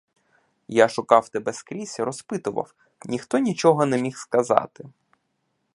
Я шукав тебе скрізь, розпитував — ніхто нічого не міг сказати.